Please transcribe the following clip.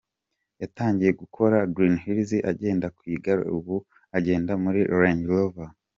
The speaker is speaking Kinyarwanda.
Yatangiye gukora Green Hills agenda ku igare ubu agenda muri Range Rover.